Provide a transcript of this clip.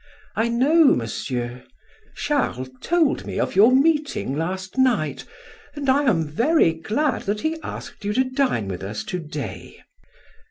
"I know, Monsieur Charles told me of your meeting last night, and I am very glad that he asked you to dine with us to day."